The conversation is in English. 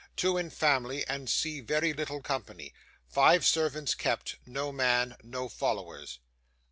Two in family, and see very little company. Five servants kept. No man. No followers."